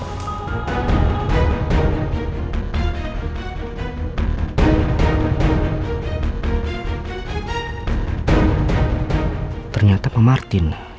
bitur ada di bagian sini